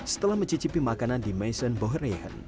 setelah mencicipi makanan di maisong bohoreen